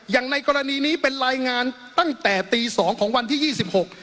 อย่างในกรณีนี้เป็นรายงานตั้งแต่ตีสองของวันที่ยี่สิบหก